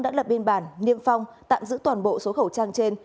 đã lập biên bản niêm phong tạm giữ toàn bộ số khẩu trang trên